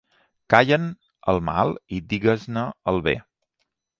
Calla'n el mal i digues-ne el bé.